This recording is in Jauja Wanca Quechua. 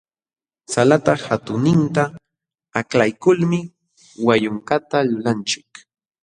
Salata hatunninta aklaykulmi wayunkata lulanchik.